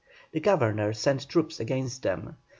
The Governor sent troops against them.